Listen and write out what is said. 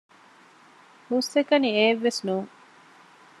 ހުސްއެކަނި އެއެއް ވެސް ނޫން